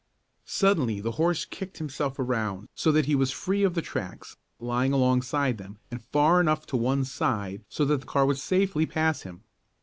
Suddenly the horse kicked himself around so that he was free of the tracks, lying alongside them, and far enough to one side so that the car would safely pass him.